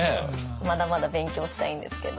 まだまだ勉強したいんですけど。